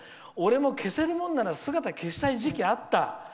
俺も消せるもんなら姿消したい時期あった！